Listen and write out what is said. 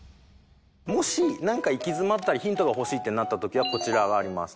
もしなんか行き詰まったりヒントが欲しいってなった時はこちらがあります。